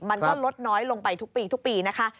มันก็ลดน้อยลงไปทุกปีทุกปีนะคะ